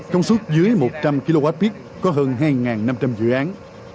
công suất dưới một trăm linh kwh có hơn hai năm trăm linh dự án